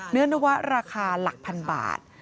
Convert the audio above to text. เนื้อเนวะราคาหลักพันบาท